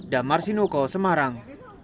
damar sinuko semarang